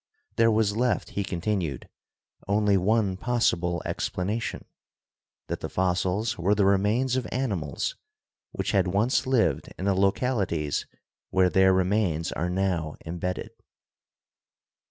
There was left, he continued, only one pos sible explanation — that the fossils were the remains of 36 GEOLOGY animals which had once lived in the localities where their remains are now imbedded.